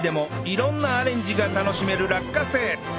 色んなアレンジが楽しめる落花生